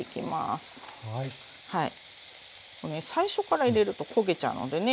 最初から入れると焦げちゃうのでね